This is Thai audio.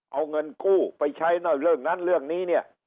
เอาเงินกู้ไปใช้หน่อยเรื่องนั้นเรื่องนี้เนี่ย